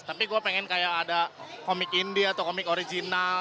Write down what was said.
tapi gue pengen kayak ada komik indi atau komik original